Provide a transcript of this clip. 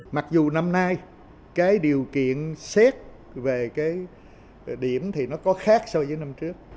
mặc dù năm nay cái điều kiện xét về cái điểm thì nó có khác so với năm trước